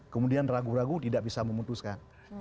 kemudian ragu ragu tidak bisa memutuskan